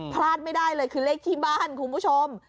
พลาดไม่ได้เลยคือเลขที่บ้านคุณผู้ชม